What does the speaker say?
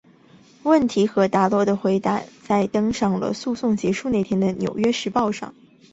问题和达罗的回答被登在了诉讼结束那天的纽约时报上。